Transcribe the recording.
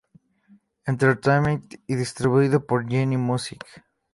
Entertainment y distribuido por Genie Music.